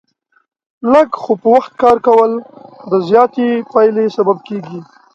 لږ خو په وخت کار کول، د زیاتې پایلې سبب کېږي.